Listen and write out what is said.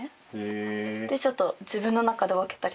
ってちょっと自分の中で分けたりしてます。